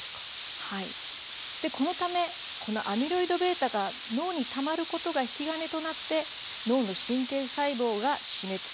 このため、このアミロイドβが脳にたまることが引き金となって脳の神経細胞が死滅。